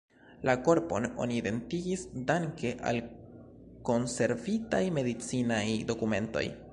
La korpon oni identigis danke al konservitaj medicinaj dokumentoj.